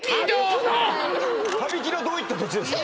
羽曳野どういった土地ですか？